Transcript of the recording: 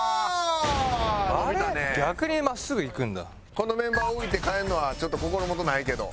このメンバーを置いて帰るのはちょっと心もとないけど。